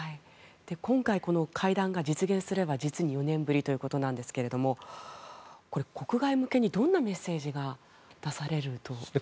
今回この会談が実現すれば実に４年ぶりということなんですけどもこれ、国外向けにどんなメッセージが出されると思いますか？